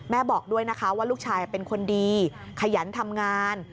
บอกด้วยนะคะว่าลูกชายเป็นคนดีขยันทำงาน